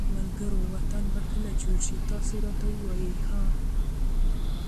ملګروو وطن به کله جوړ شي تاسو راته ووایی ها